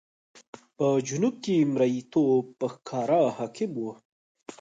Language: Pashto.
په جنوب کې مریتوب په ښکاره حاکم و.